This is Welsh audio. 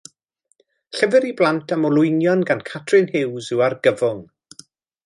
Llyfr i blant am olwynion gan Catrin Hughes yw Argyfwng!